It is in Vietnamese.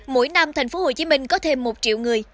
mỗi năm tp hcm có thêm một triệu người